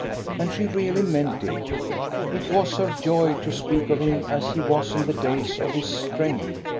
And she really meant it. It was her joy to speak of him as he was in the days of his strength.